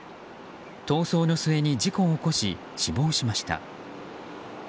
逃走の末に、事故を起こし死亡しました。